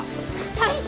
はい！